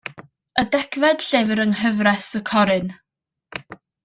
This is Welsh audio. Y degfed llyfr yng Nghyfres y Corryn.